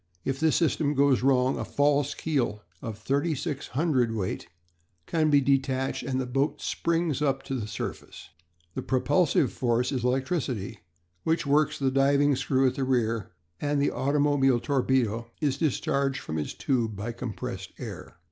If this system goes wrong a false keel of thirty six hundredweight can be detached and the boat springs up to the surface. The propulsive force is electricity, which works the driving screw at the rear, and the automobile torpedo is discharged from its tube by compressed air.